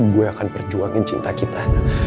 gue akan perjuangin cinta kita